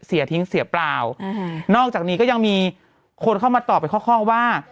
เสียทิ้งเสียเปล่านอกจากนี้ก็ยังมีคนเข้ามาตอบเป็นข้อข้องว่า